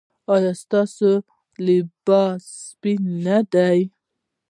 ایا ستاسو لباس به سپین نه وي؟